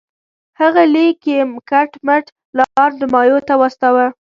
هغه لیک یې کټ مټ لارډ مایو ته واستاوه.